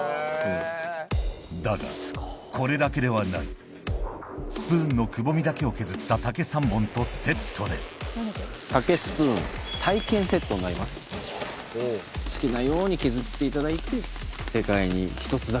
だがこれだけではないスプーンのくぼみだけを削った竹３本とセットで好きなように削っていただいて。